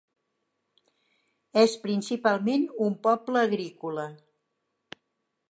És principalment un poble agrícola.